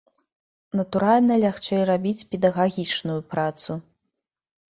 Натуральна, лягчэй рабіць педагагічную працу.